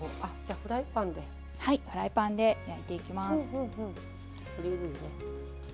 フライパンで焼いていきます。